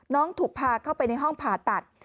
ถูกพาเข้าไปในห้องผ่าตัด